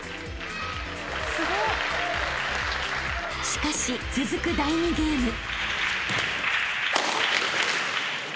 ［しかし続く第２ゲーム］